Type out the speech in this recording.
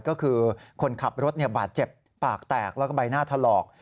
ก็คือคนขับรถบาดเจ็บปากแตกแล้วก็ใบหน้าถลอก